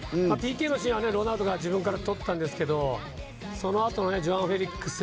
ＰＫのシーンはロナウドが自分から取ったんですけどそのあとのジョアン・フェリックス